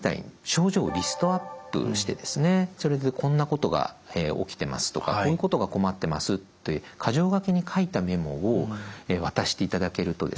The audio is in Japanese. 症状をリストアップしてそれでこんなことが起きてますとかこういうことが困ってますと箇条書きに書いたメモを渡していただけると。